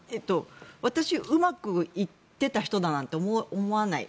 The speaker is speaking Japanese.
私、うまくいっていた人だなんて思わない。